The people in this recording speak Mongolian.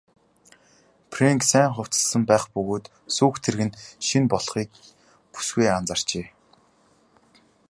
Фрэнк сайн хувцасласан байх бөгөөд сүйх тэрэг нь шинэ болохыг бүсгүй анзаарчээ.